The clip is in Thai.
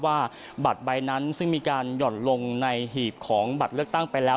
ว่าบัตรใบนั้นซึ่งมีการหย่อนลงในหีบของบัตรเลือกตั้งไปแล้ว